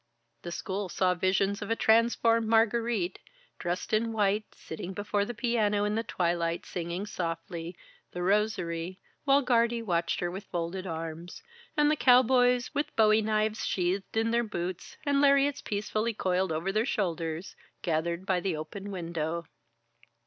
The school saw visions of the transformed Margarite, dressed in white, sitting before the piano in the twilight singing softly the "Rosary," while Guardie watched her with folded arms; and the cowboys, with bowie knives sheathed in their boots, and lariats peacefully coiled over their shoulders, gathered by the open window.